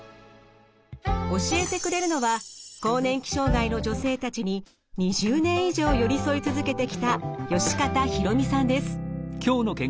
教えてくれるのは更年期障害の女性たちに２０年以上寄り添い続けてきた善方裕美さんです。